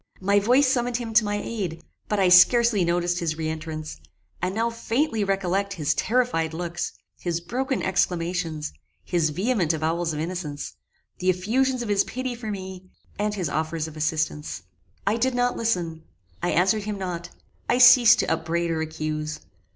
My voice summoned him to my aid; but I scarcely noticed his re entrance, and now faintly recollect his terrified looks, his broken exclamations, his vehement avowals of innocence, the effusions of his pity for me, and his offers of assistance. I did not listen I answered him not I ceased to upbraid or accuse.